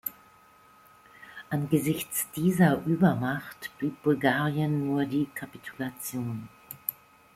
Angesichts dieser Übermacht blieb Bulgarien nur die Kapitulation.